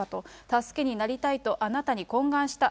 助けになりたいとあなたに懇願した。